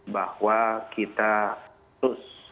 bahwa kita terus